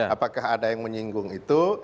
apakah ada yang menyinggung itu